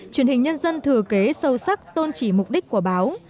truyền hình nhân dân thừa kế sâu sắc tôn trì mục đích của báo